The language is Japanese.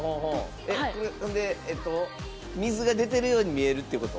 水が出てるように見えるってこと？